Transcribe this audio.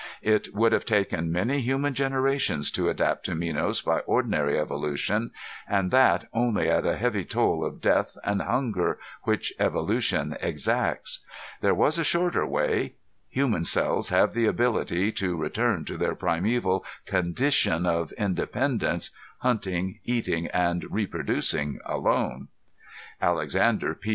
It would have taken many human generations to adapt to Minos by ordinary evolution, and that only at a heavy toll of death and hunger which evolution exacts. There was a shorter way: Human cells have the ability to return to their primeval condition of independence, hunting, eating and reproducing alone. Alexander P.